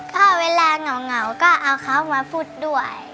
ก็เวลาเหงาก็เอาเขามาพูดด้วย